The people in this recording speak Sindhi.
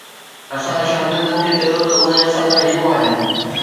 اسان شاگردن کي چيو ته اهي اسان جا هيرو آهن.